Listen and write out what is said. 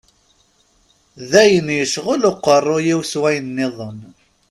D ayen yecɣel uqerruy-iw s wayen-nniḍen.